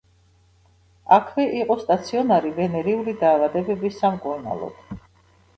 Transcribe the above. აქვე იყო სტაციონარი ვენერიული დაავადებების სამკურნალოდ.